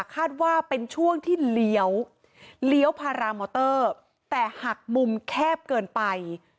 คาดว่าเป็นช่วงที่เลี้ยวเลี้ยวพารามอเตอร์แต่หักมุมแคบเกินไป